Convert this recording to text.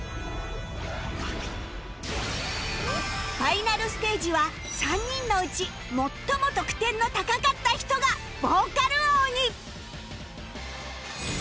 ファイナルステージは３人のうち最も得点の高かった人がヴォーカル王に！